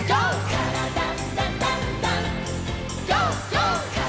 「からだダンダンダン」